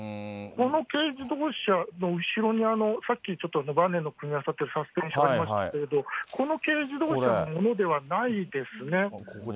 この軽自動車の後ろにさっき、ちょっとばねの組み合わさっているサスペンションありましたけれども、この軽自動車のものではないですね。